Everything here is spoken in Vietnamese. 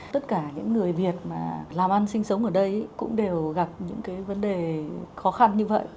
tất cả những người việt mà làm ăn sinh sống ở đây cũng đều gặp những cái vấn đề khó khăn như vậy